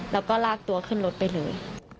แล้วก็ลากตัวขึ้นรถไปเลย